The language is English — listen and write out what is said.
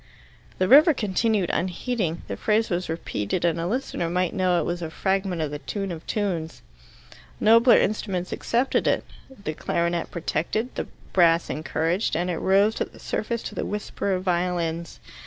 The river continued unheeding. The phrase was repeated and a listener might know it was a fragment of the Tune of tunes. Nobler instruments accepted it, the clarionet protected, the brass encouraged, and it rose to the surface to the whisper of violins.